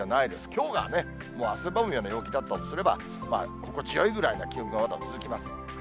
きょうがもう汗ばむような陽気だとすれば、心地よいぐらいの気温がまだ続きます。